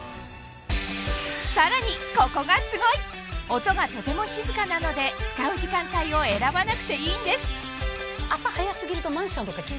さらにここがすごい音がとても静かなので使う時間帯を選ばなくていいんですマンションとか。